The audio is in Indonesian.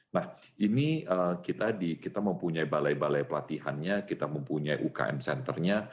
nah ini kita mempunyai balai balai pelatihannya kita mempunyai ukm centernya